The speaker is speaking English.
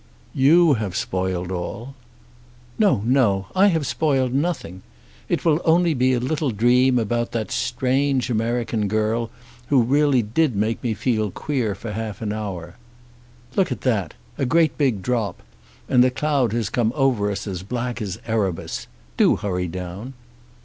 "You have spoiled all." "No, no. I have spoiled nothing. It will only be a little dream about 'that strange American girl, who really did make me feel queer for half an hour.' Look at that. A great big drop and the cloud has come over us as black as Erebus. Do hurry down."